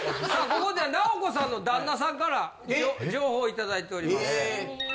ここでナオコさんの旦那さんから情報を頂いております。